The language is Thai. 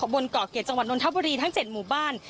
บนเกาะเกียรติจะงวนนทับบุรีทั้ง๗หมู่บ้าน